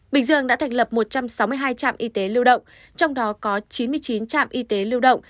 bình dương đã thành lập một trăm sáu mươi hai trạm y tế lưu động trong đó có chín mươi chín trạm y tế lưu động